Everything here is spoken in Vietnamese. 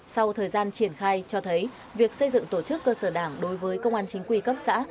sau thời gian triển khai cho thấy việc xây dựng tổ chức cơ sở đảng đối với công an chính quy cấp xã